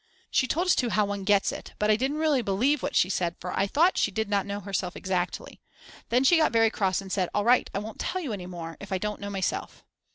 She told us too how one gets it, but I didn't really believe what she said, for I thought she did not know herself exactly. Then she got very cross and said: "All right, I won't tell you any more. If I don't know myself."